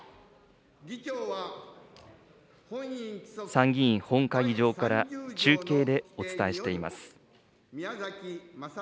参議院本会議場から中継でお伝えしています。